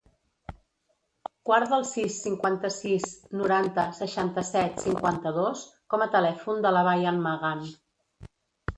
Guarda el sis, cinquanta-sis, noranta, seixanta-set, cinquanta-dos com a telèfon de la Bayan Magan.